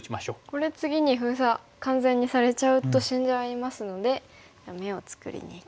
これ次に封鎖完全にされちゃうと死んじゃいますので眼を作りにいきます。